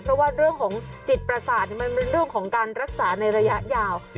เพราะว่าเรื่องของจิตประสาทมันเป็นเรื่องของการรักษาในระยะยาว